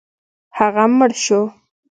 هغه مړ شو.